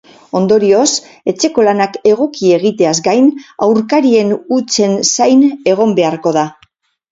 Ondorioz, etxeko lanak egoki egiteaz gain aurkarien hutsen zain egon beharko da.